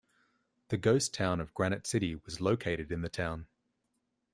The ghost town of Granite City was located in the town.